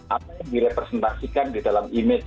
apa yang direpresentasikan di dalam image